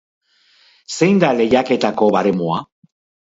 Zein da lehiaketako baremoa?